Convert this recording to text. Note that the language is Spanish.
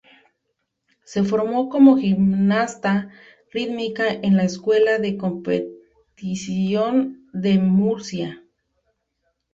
Se formó como gimnasta rítmica en la Escuela de Competición de Murcia.